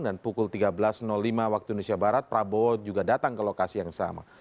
dan pukul tiga belas lima waktu indonesia barat prabowo juga datang ke lokasi yang sama